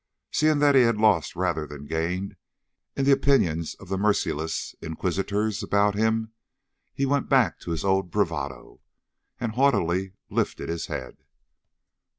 Seeing that he had lost rather than gained in the opinions of the merciless inquisitors about him, he went back to his old bravado, and haughtily lifted his head.